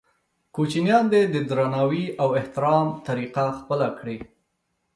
کوچنیان دې د درناوي او احترام طریقه خپله کړي.